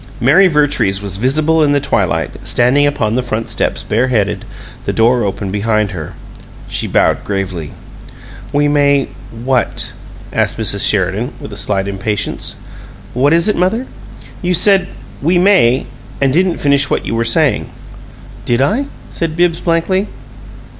Mary Vertrees was visible in the twilight, standing upon the front steps, bareheaded, the door open behind her. She bowed gravely. "'We may' what?" asked Mrs. Sheridan, with a slight impatience. "What is it, mother?" "You said, 'We may,' and didn't finish what you were sayin'." "Did I?" said Bibbs, blankly.